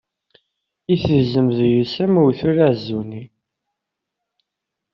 Itezzem deg-s am uwtul aɛezzuni.